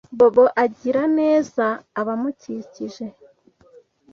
Bob agira neza abamukikije.